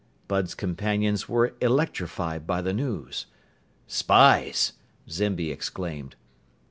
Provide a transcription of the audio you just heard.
Bud's companions were electrified by the news. "Spies!" Zimby exclaimed.